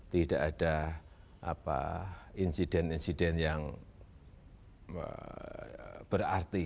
tidak ada insiden insiden yang berarti